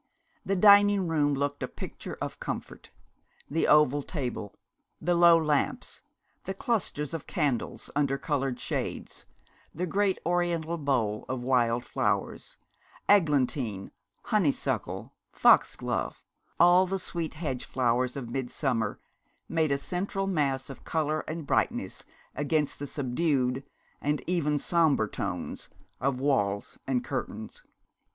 The dining room looked a picture of comfort. The oval table, the low lamps, the clusters of candles under coloured shades, the great Oriental bowl of wild flowers eglantine, honeysuckle, foxglove, all the sweet hedge flowers of midsummer, made a central mass of colour and brightness against the subdued and even sombre tones of walls and curtains.